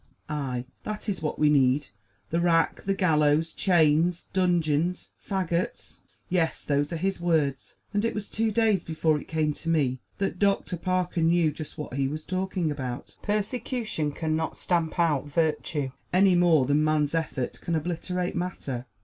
Aye, that is what we need! the rack, the gallows, chains, dungeons, fagots!" Yes, those are his words, and it was two days before it came to me that Doctor Parker knew just what he was talking about. Persecution can not stamp out virtue, any more than man's effort can obliterate matter.